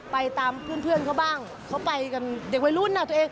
ไปตามเพื่อนเพื่อนเขาบ้างเขาไปกันเด็กวัยรุ่นน่ะตัวเอง